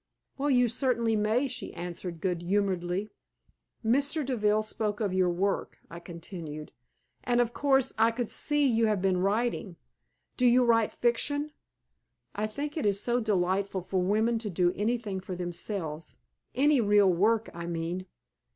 "Well, you certainly may," she answered, good humoredly. "Mr. Deville spoke of your work," I continued; "and of course I could see you had been writing. Do you write fiction? I think it is so delightful for women to do anything for themselves any real work, I mean.